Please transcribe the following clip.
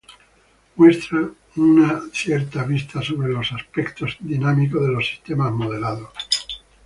Muestra una cierta vista sobre los aspectos dinámicos de los sistemas modelados.